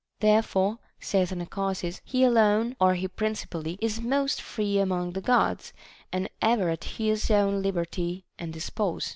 Therefore, saith Anacharsis, he alone, or he principally, is most free among the Gods, and ever at his own liberty and dispose.